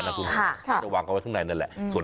คลาบคลาบน่าจะวางเอาไว้ข้างในนั้นแหละอืม